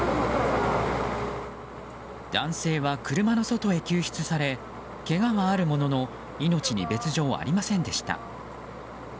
男性は車の外へ救出されけがはあるものの命に別条はありませんでした。